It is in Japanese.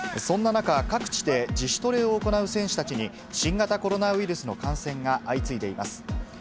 そんな中、各地で自主トレを行う選手たちに、新型コロナウイルスの感染が相次いでいます。